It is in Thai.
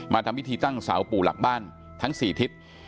ทำพิธีตั้งเสาปู่หลักบ้านทั้ง๔ทิศ